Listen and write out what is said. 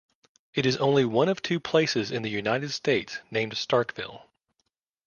It is only one of two places in the United States named Starkville.